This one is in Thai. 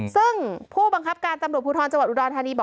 ซึ่งผู้บังคับการตำรวจภูทรจังหวัดอุดรธานีบอก